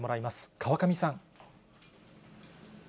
川上さん。